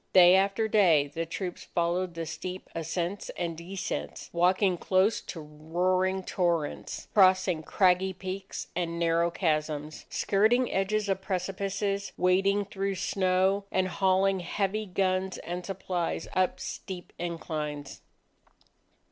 Day after day, the troops followed the steep ascents and descents, walking close to roaring torrents, crossing craggy peaks and narrow chasms, skirting edges of precipices, wading through snow, and hauling heavy guns and supplies up steep inclines.